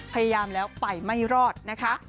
พยายามแล้วไปไม่รอดนะคะ